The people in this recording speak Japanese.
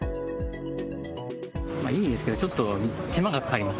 いいんですけど、ちょっと手間がかかります。